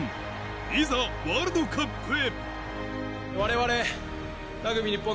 いざワールドカップへ！